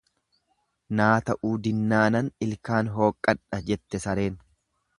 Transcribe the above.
Naa ta'uu dinnaanan ilkaan hooqqadha jette sareen.